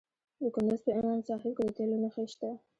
د کندز په امام صاحب کې د تیلو نښې شته.